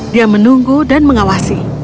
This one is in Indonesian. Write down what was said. dia menunggu dan mengawasi